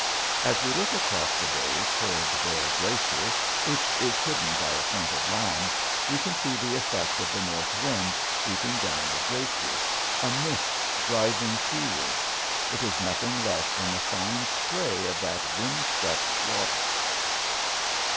As we look across the bay toward Bear Glacier, which is hidden by a point of land, we can see the effect of the north wind sweeping down the glacier, a mist driving seaward. It is nothing less than the fine spray of that wind swept water.